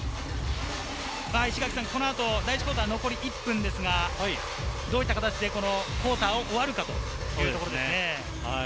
この後、第１クオーター残り１分でどういった形でクオーターを終わるかというところですね。